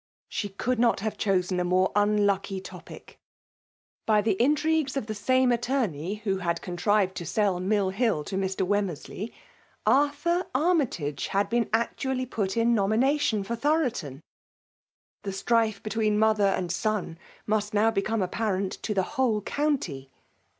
She could not have chosen a more unlucky topic ! By the intrigues of Ihe same attorney who had contrived to sell MiU HiU to Mr. Wemmersley, Arthur Armytage had been actually put in nomination for Thoro* ton! The strife between mother and son must now become apparent to the whole eounty